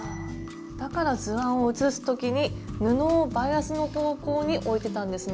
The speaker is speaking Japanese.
だから図案を写す時に布をバイアスの方向に置いてたんですね。